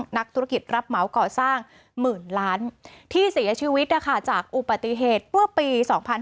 นักธุรกิจรับเหมาก่อสร้างหมื่นล้านที่เสียชีวิตนะคะจากอุบัติเหตุเมื่อปี๒๕๕๙